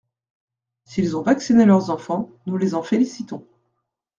S’ils ont vacciné leurs enfants, nous les en félicitons.